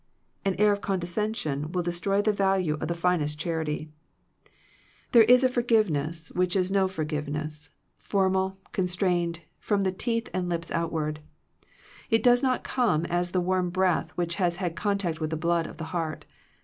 An air of condescension will destroy the value of the finest charity. There is a forgive 178 Digitized by VjOOQIC THE RENEWING OF FRIENDSHIP ness which is no forgiveness — formal, constrained, from the teeth and lips out ward. It does not come as the warm breath which has had contact with the blood of the heart.